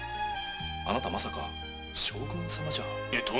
あなたまさか将軍様じゃ？